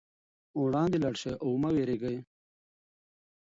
وړاندې لاړ شئ او مه وېرېږئ.